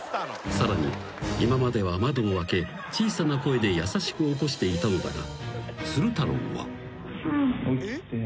［さらに今までは窓を開け小さな声で優しく起こしていたのだが鶴太郎は］